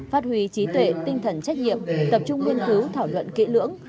phát huy trí tuệ tinh thần trách nhiệm tập trung nghiên cứu thảo luận kỹ lưỡng